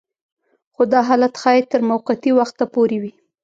خو دا حالت ښايي تر موقتي وخته پورې وي